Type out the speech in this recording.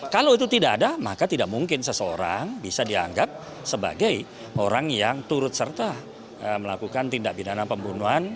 kalau itu tidak ada maka tidak mungkin seseorang bisa dianggap sebagai orang yang turut serta melakukan tindak pidana pembunuhan